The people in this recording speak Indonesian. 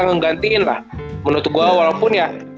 ngegantiin lah menurut gue walaupun ya